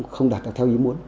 không đạt được theo ý muốn